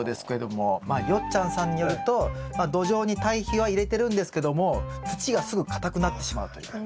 よっちゃんさんによると土壌に堆肥は入れてるんですけども土がすぐかたくなってしまうという。